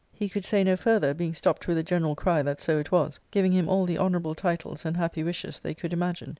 He could say no further, being stopped with a general cry that so it was, giving him all the honourable titles and happy wishes they could imagine.